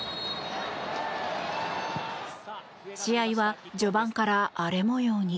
試合は序盤から荒れ模様に。